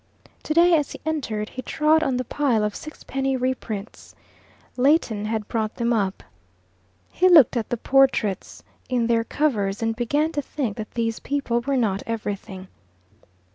Today, as he entered, he trod on the pile of sixpenny reprints. Leighton had brought them up. He looked at the portraits in their covers, and began to think that these people were not everything.